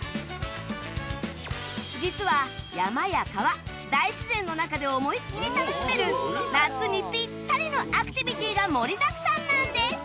実は山や川大自然の中で思いっきり楽しめる夏にピッタリのアクティビティが盛りだくさんなんです！